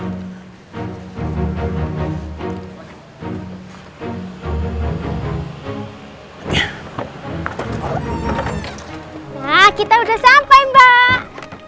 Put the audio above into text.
nah kita sudah sampai mbak